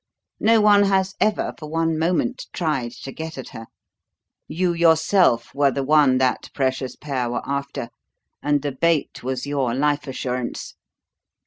No one has ever for one moment tried to get at her. You yourself were the one that precious pair were after, and the bait was your life assurance.